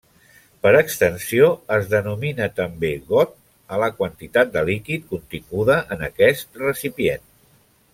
Per extensió es denomina també got a la quantitat de líquid continguda en aquest recipient.